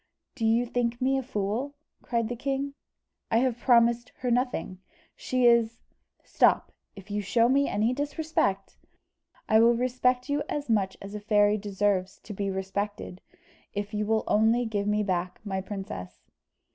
"Do you think me a fool?" cried the king; "I have promised her nothing. She is " "Stop if you show me any disrespect " "I will respect you as much as a fairy deserves to be respected, if you will only give me back my princess."